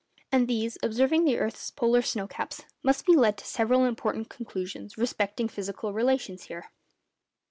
And these, observing the earth's polar snow caps, must be led to several important conclusions respecting physical relations here.